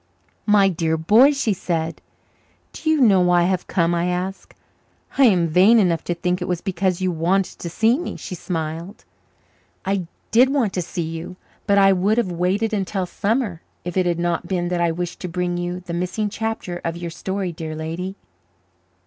"My dear boy!" she said. "Do you know why I have come?" I asked. "I am vain enough to think it was because you wanted to see me," she smiled. "I did want to see you; but I would have waited until summer if it had not been that I wished to bring you the missing chapter of your story, dear lady."